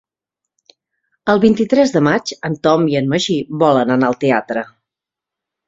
El vint-i-tres de maig en Tom i en Magí volen anar al teatre.